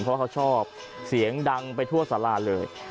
เพราะเขาชอบเสียงดังไปทั่วสาราเลย